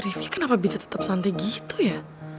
si rifki kenapa bisa tetep santai gitu ya